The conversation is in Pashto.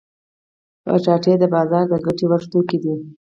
کچالو د بازار د ګټه ور توکي دي